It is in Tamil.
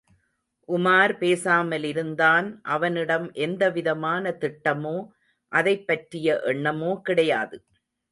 உமார் பேசாமலிருந்தான் அவனிடம் எந்த விதமான திட்டமோ அதைப்பற்றிய எண்ணமோ கிடையாது.